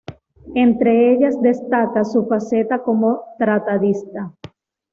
Entre ellas destaca su faceta como tratadista.